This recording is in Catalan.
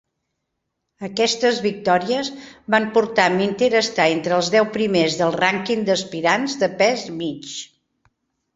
Aquestes victòries van portar a Minter a estar entre els deu primers del rànquing d'aspirants de pes mig.